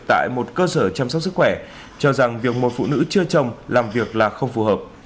tại một cơ sở chăm sóc sức khỏe cho rằng việc một phụ nữ chưa chồng làm việc là không phù hợp